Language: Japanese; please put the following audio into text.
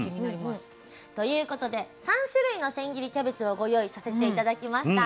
ということで３種類の千切りキャベツをご用意させて頂きました。